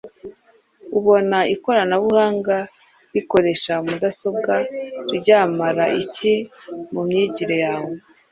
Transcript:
Ubona ikoranabuhanga rikoresha mudasobwa ryamara iki mu myigire yawe?